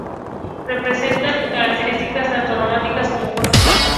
Presenta características tanto románicas como góticas.